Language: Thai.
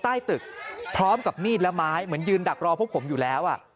ใต้ตึกพร้อมกับมีดและไม้เหมือนยืนดักรอพวกผมอยู่แล้ว